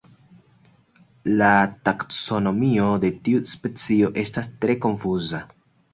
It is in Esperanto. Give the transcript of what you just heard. La taksonomio de tiu specio estas tre konfuza.